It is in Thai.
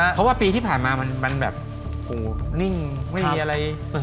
เพราะว่าปีที่ผ่านมามันแบบนิ่งไม่มีอะไร